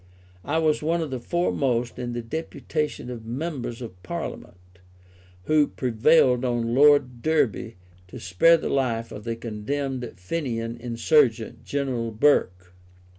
I was one of the foremost in the deputation of Members of Parliament who prevailed on Lord Derby to spare the life of the condemned Fenian insurgent, General Burke.